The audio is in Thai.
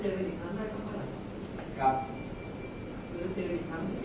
แต่ว่าไม่มีปรากฏว่าถ้าเกิดคนให้ยาที่๓๑